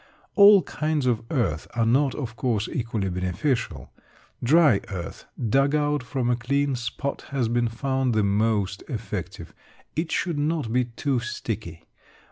All kinds of earth are not, of course, equally beneficial. Dry earth dug out from a clean spot has been found the most effective. It should not be too sticky.